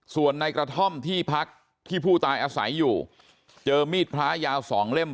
ส่วนในกระท่อมที่พักที่ผู้ตายอาศัยอยู่เจอมีดพระยาว๒เล่ม